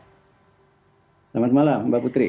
selamat malam mbak putri